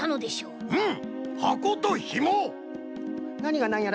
うん。